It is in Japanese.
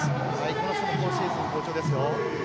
この人も今シーズン好調ですよ。